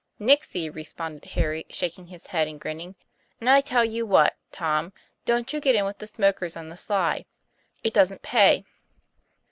"Nixie," responded Harry, shaking his head and grinning, "and I tell you what, Tom, don't you get in with the smokers on the sly. It doesn't pay."